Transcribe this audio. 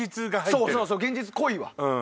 そうそう現実濃いわ。